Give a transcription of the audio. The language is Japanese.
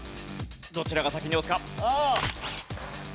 どちらが先に押すか？